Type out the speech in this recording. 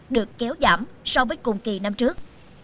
được kéo giảm so với cùng kỳ năm trước